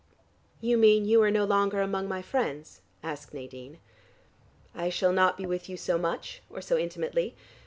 "You mean you are no longer among my friends?" asked Nadine. "I shall not be with you so much or so intimately.